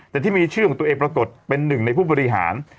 แต่ที่มีชื่อของตัวเองปรากฏเป็นหนึ่งในผู้บริหาร